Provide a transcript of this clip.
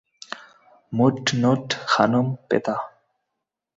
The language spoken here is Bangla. মুট, নুট, খানুম, পেতাহ।